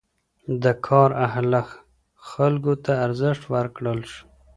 د کار اهل خلکو ته ارزښت ورکړل شو.